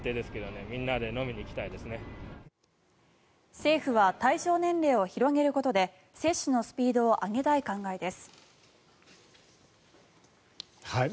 政府は対象年齢を広げることで接種のスピードを上げたい考えです。